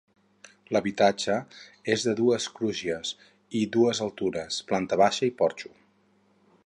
L’habitatge és de dues crugies i dues altures: planta baixa i porxo.